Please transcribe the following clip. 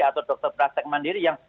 atau dokter praktek mandiri yang